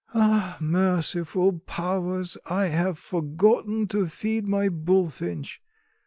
Ah, merciful powers, I have forgotten to feed my bullfinch.